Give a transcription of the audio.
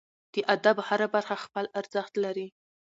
د ادب هره برخه خپل ارزښت لري.